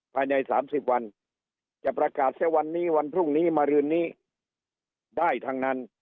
ภายใน๓๐วันจะประกาศเสียวันนี้วันพรุ่งนี้มารืนนี้ได้ทั้งนั้น